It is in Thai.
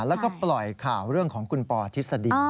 แล้วก็ปล่อยข่าวเรื่องของคุณปอทฤษฎี